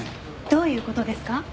どういう事ですか？